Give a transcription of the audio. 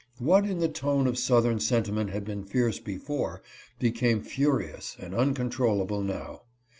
What in the tone of Southern sentiment had been fierce before, became fu rious and uncontrollable now.